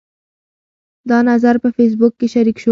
دا نظر په فیسبوک کې شریک شو.